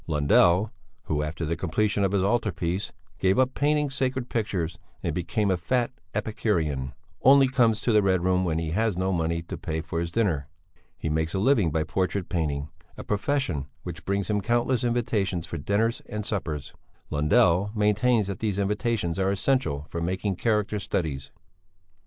Lundell, who, after the completion of his altar piece, gave up painting sacred pictures and became a fat Epicurean, only comes to the Red Room when he has no money to pay for his dinner; he makes a living by portrait painting, a profession which brings him countless invitations to dinners and suppers; Lundell maintains that these invitations are essential for making character studies.